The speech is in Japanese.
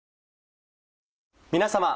皆様。